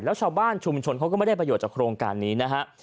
แล้วชาวบ้านชุมชนเขาก็ไม่ได้ประโยชนจากโครงการนี้นะฮะ